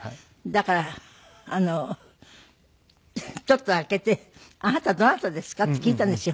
だからちょっと開けて「あなたどなたですか？」って聞いたんですよ。